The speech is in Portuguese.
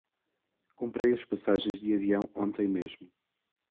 Comprei as passagens de avião ontem mesmo.